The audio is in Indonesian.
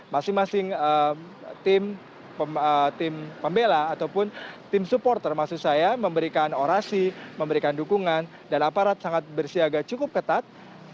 masing masing tim pembela ataupun tim supporter maksud saya memberikan orasi memberikan dukungan dan aparat sangat bersiaga cukup ketat